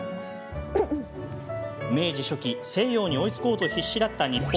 明治初期、西洋に追いつこうと必死だった日本。